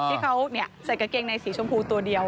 ที่เขาใส่กางเกงในสีชมพูตัวเดียว